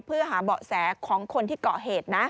เพื่อหาเบาะแสของคนที่เกาะเหตุนะ